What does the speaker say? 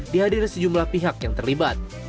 dihadiri sejumlah pihak yang terlibat